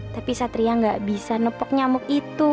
tapi satria nggak bisa nepok nyamuk itu